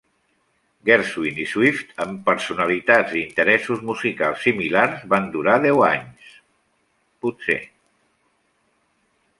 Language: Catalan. Gershwin i Swift, amb personalitats i interessos musicals similars, van durar deu anys, potser.